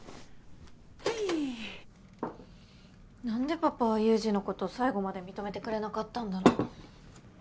何でパパはユウジのこと最後まで認めてくれなかったんだろ。